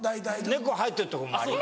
猫入ってるとこもあります。